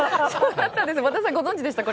和田さんご存じでしたか？